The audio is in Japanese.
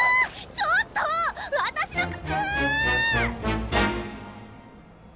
ちょっと私の靴！